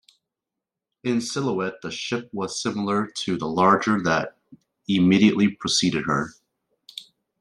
In silhouette, the ship was similar to the larger that immediately preceded her.